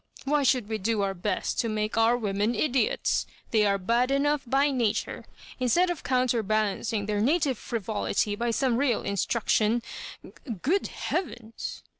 Why should we do our best to make our women, idiots ? They are bad enough by nature. Instead of counterbalancing their native frivolity by some real instruction good heavens!"